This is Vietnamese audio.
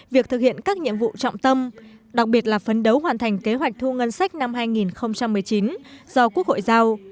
việc thực hiện các nhiệm vụ trọng tâm đặc biệt là phấn đấu hoàn thành kế hoạch thu ngân sách năm hai nghìn một mươi chín do quốc hội giao